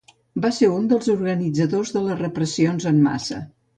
Va ser un dels organitzadors de les repressions en massa.